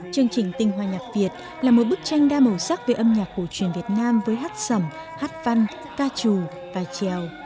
chương trình tinh hoa nhạc việt là một bức tranh đa màu sắc về âm nhạc cổ truyền việt nam với hát sầm hát văn ca trù và trèo